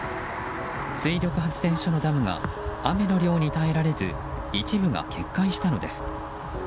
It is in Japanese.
水力発電所のダムが雨の量に耐えられず一部が決壊したのです。